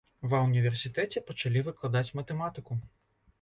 Ва ўніверсітэце пачалі выкладаць матэматыку.